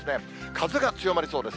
風が強まりそうです。